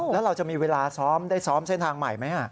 แล้วเราจะมีเวลาซ้อมได้ซ้อมเส้นทางใหม่ไหม